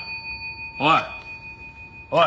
おいおい！